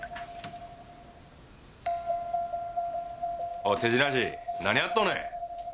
おい手品師何やっとんねん！？